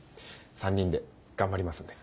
３人で頑張りますんで。